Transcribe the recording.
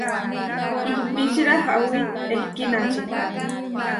Ihpíčira ahawí ehkínači.